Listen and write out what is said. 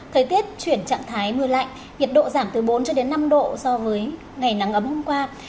thời tiết chuyển trạng thái mưa lạnh nhiệt độ giảm từ bốn cho đến năm độ so với ngày nắng ấm hôm qua